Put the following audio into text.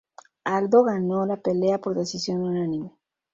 Aldo ganó la pelea por decisión unánime.